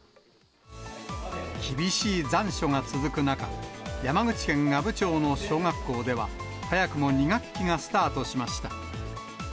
厳しい残暑が続く中、山口県阿武町の小学校では、早くも２学期がスタートしました。